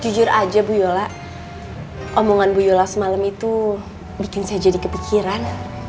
jujur aja bu yola omongan bu yola semalam itu bikin saya jadi kepikiran